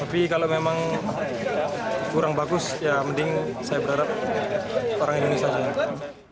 tapi kalau memang kurang bagus ya mending saya berharap orang indonesia juga